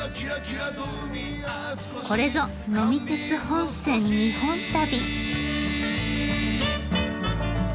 これぞ「呑み鉄本線・日本旅」！